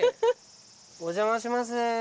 お邪魔します。